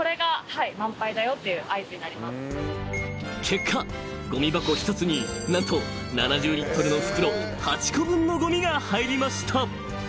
［結果ごみ箱１つに何と７０リットルの袋８個分のごみが入りました］